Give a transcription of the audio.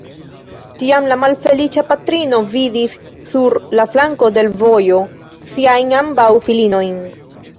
Tiam la malfeliĉa patrino vidis, sur la flanko de l' vojo, siajn ambaŭ filinojn.